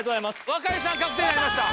若井さん確定になりました。